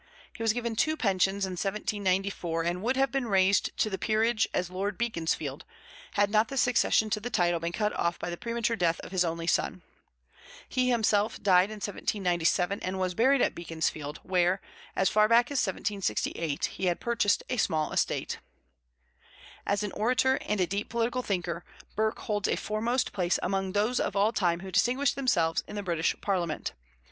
He was given two pensions in 1794, and would have been raised to the peerage as Lord Beaconsfield, had not the succession to the title been cut off by the premature death of his only son. He himself died in 1797 and was buried at Beaconsfield, where, as far back as 1768, he had purchased a small estate. As an orator and a deep political thinker, Burke holds a foremost place among those of all time who distinguished themselves in the British parliament.